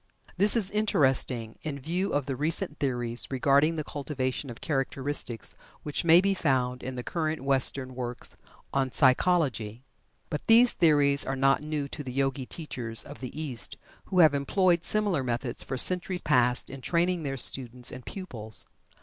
This is interesting, in view of the recent theories regarding the cultivation of characteristics which may be found in the current Western works on psychology. But these theories are not new to the Yogi teachers of the East, who have employed similar methods for centuries past in training their students and pupils.